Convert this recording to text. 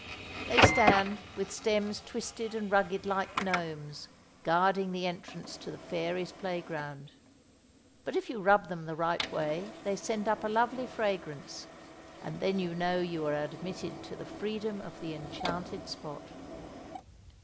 They stand, with stems twisted and rugged like gnomes, guarding the entrance to the fairy's playground; but if you rub them the right way they send up a lovely fragrance, and then you know you are admitted to the freedom of the enchanted spot.